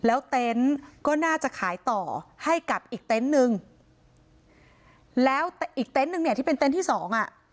แล้วเต็นต์ก็น่าจะขายต่อให้กับอีกเต็นต์นึงแล้วอีกเต็นต์นึงเนี่ยที่เป็นเต็นต์ที่สองอ่ะ